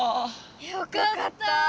よかった！